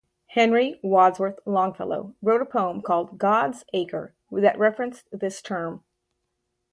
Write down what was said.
Henry Wadsworth Longfellow wrote a poem called 'God's Acre' that referenced this term.